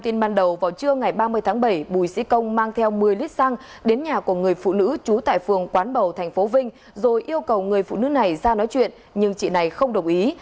trước ngày ba mươi tháng bảy bùi sĩ công mang theo một mươi lít xăng đến nhà của người phụ nữ trú tại phường quán bầu thành phố vinh rồi yêu cầu người phụ nữ này ra nói chuyện nhưng chị này không đồng ý